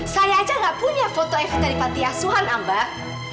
saya aja enggak punya foto evita di pantai asuhan ambar